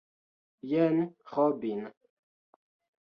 Jen Robin